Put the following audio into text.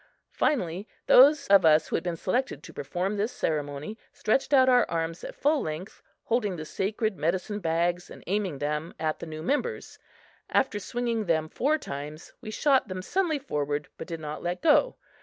Finally those of us who had been selected to perform this ceremony stretched out our arms at full length, holding the sacred medicine bags and aiming them at the new members. After swinging them four times, we shot them suddenly forward, but did not let go.